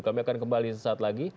kami akan kembali sesaat lagi